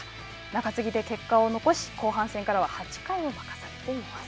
中継ぎで結果を残し、後半戦からは８回を任されています。